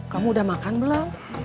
kamu udah makan belum